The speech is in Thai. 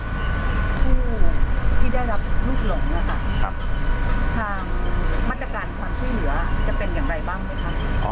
ผู้ที่ได้รับลูกหลงนะคะทางมาตรการความช่วยเหลือจะเป็นอย่างไรบ้างไหมคะ